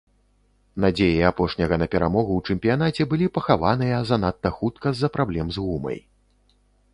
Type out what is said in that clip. Надзеі апошняга на перамогу ў чэмпіянаце былі пахаваныя занадта хутка з-за праблем з гумай.